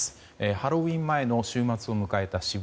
ハロウィーン前の週末を迎えた渋谷